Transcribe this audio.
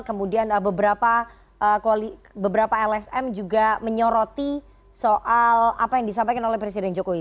kemudian beberapa lsm juga menyoroti soal apa yang disampaikan oleh presiden jokowi